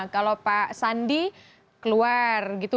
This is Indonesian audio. kalau pak sandi keluar gitu